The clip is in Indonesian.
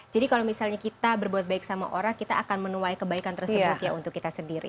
kalau misalnya kita berbuat baik sama orang kita akan menuai kebaikan tersebut ya untuk kita sendiri